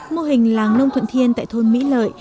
mô hình làng nông thuận thiên tại thôn mỹ lợi